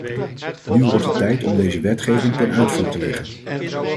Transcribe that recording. Nu wordt het tijd om deze wetgeving ten uitvoer te leggen.